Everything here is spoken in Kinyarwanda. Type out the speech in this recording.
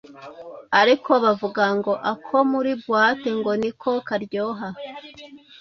ariko bavuga ngo ako muri boite ngo niko karyoha